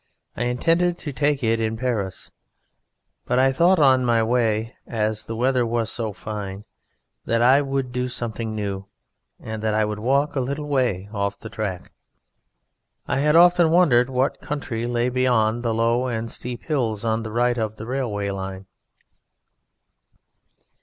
I intended to take it in Paris, but I thought on my way, as the weather was so fine, that I would do something new and that I would walk a little way off the track. I had often wondered what country lay behind the low and steep hills on the right of the railway line.